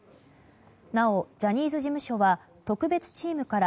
なお、ジャニーズ事務所は特別チームから